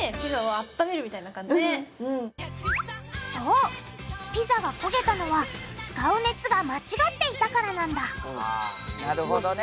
そうピザが焦げたのは使う熱が間違っていたからなんだなるほどね。